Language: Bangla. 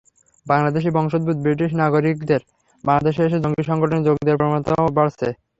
বাংলাদেশি বংশোদ্ভূত ব্রিটিশ নাগরিকদের বাংলাদেশে এসে জঙ্গি সংগঠনে যোগ দেওয়ার প্রবণতাও বাড়ছে।